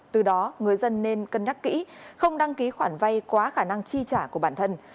từ đó người dân nên cân nhắc kỹ không đăng ký khoản vay quá khả năng chi trả của bản thân